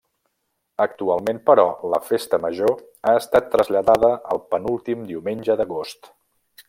Actualment, però, la Festa Major ha estat traslladada al penúltim diumenge d'agost.